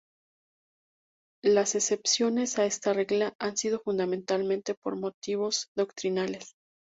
Las excepciones a esta regla han sido fundamentalmente por motivos doctrinales.